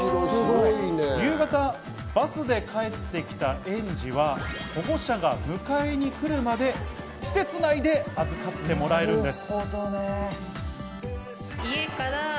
夕方、バスで帰って来た園児は保護者が迎えに来るまで施設内で預かってもらえるんです。